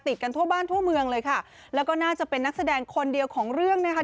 กันทั่วบ้านทั่วเมืองเลยค่ะแล้วก็น่าจะเป็นนักแสดงคนเดียวของเรื่องนะคะ